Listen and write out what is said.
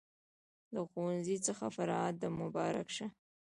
له ښوونځي څخه فراغت د مبارک شه